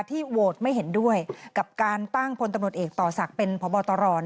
ที่โหวตไม่เห็นด้วยกับการตั้งพบตรเป็นพบตร